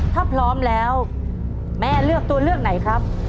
ถ้าพร้อมแล้วแม่เลือกตัวเลือกไหนครับ